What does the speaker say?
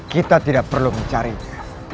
kita tidak perlu mencarinya